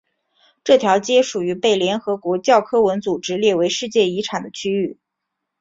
这条街属于被联合国教科文组织列为世界遗产的区域。